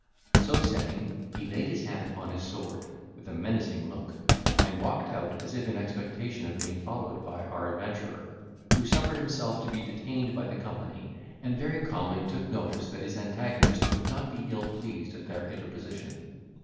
So saying, he laid his hand upon his sword with a menacing look, and walked out as if in expectation of being followed by our adventurer, who suffered himself to be detained by the company, and very calmly took notice, that his antagonist would not be ill pleased at their interposition.